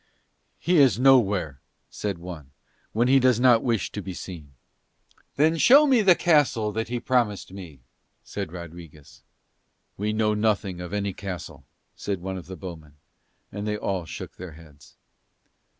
"He is nowhere," said one, "when he does not wish to be seen." "Then show me the castle that he promised me," said Rodriguez. "We know nothing of any castle," said one of the bowmen, and they all shook their heads.